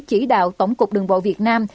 chỉ đạo tổng cục đường bộ việt nam